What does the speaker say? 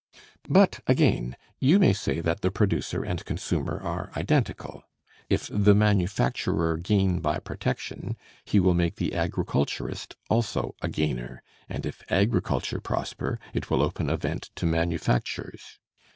But again, you may say that the producer and consumer are identical. If the manufacturer gain by protection, he will make the agriculturist also a gainer; and if agriculture prosper, it will open a vent to manufactures.